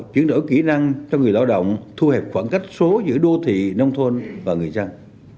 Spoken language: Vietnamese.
chuyển đổi kỹ năng cho người lao động thu hẹp khoảng cách số giữa đô thị nông thôn và người dân